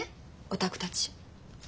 お宅たち。